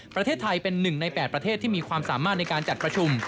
ประเทศไทยเป็น๑ใน๘ประเทศที่มีความสามารถในการจัดประชุม